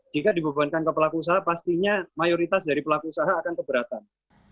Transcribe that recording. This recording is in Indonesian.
jika dibebankan ke pelaku usaha pastinya mayoritas dari pelaku usaha akan keberatan